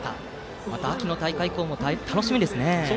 また秋の大会以降も楽しみですね。